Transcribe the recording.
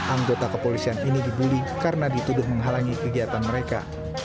anggota kepolisian ini dibully karena dituduh menghalangi kegiatan mereka